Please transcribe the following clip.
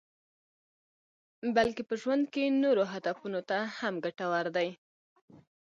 بلکې په ژوند کې نورو هدفونو ته هم ګټور دي.